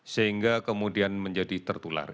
sehingga kemudian menjadi tertular